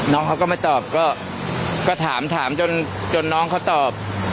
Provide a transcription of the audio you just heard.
น้องเขาก็ไม่ตอบก็ถามถามจนน้องเขาตอบ